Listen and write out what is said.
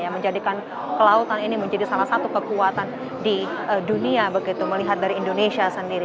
yang menjadikan kelautan ini menjadi salah satu kekuatan di dunia begitu melihat dari indonesia sendiri